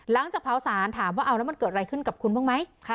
หลังจากเผาสารถามว่าเอาแล้วมันเกิดอะไรขึ้นกับคุณบ้างไหม